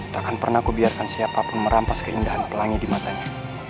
takkan pernah kubiarkan siapa pun merampas keindahan pelangi di matanya